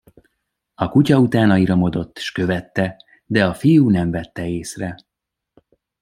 A kutya utána iramodott s követte, de a fiú nem vette észre.